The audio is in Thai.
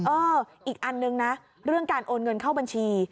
เอออีกอันนึงนะเรื่องการโอนเงินเข้าบัญชี